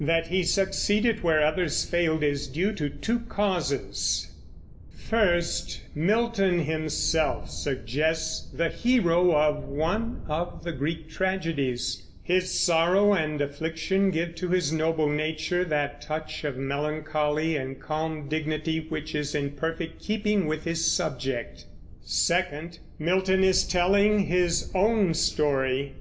That he succeeded where others failed is due to two causes: first, Milton himself suggests the hero of one of the Greek tragedies, his sorrow and affliction give to his noble nature that touch of melancholy and calm dignity which is in perfect keeping with his subject. Second, Milton is telling his own story.